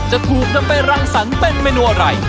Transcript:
จะถูกนำไปรังสรรค์เป็นเมนูอะไร